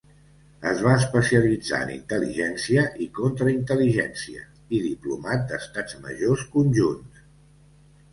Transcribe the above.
Es va especialitzar en intel·ligència i contraintel·ligència i diplomat d'Estats Majors Conjunts.